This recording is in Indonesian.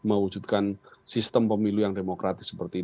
mewujudkan sistem pemilu yang demokratis seperti ini